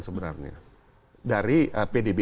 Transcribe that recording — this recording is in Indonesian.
sebenarnya dari pdb